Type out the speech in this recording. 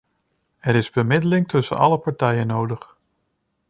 Er is bemiddeling tussen alle partijen nodig.